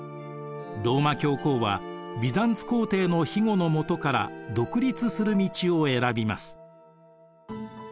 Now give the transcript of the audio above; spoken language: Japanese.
ローマ教皇はビザンツ皇帝のひごのもとから独立する道を選びます。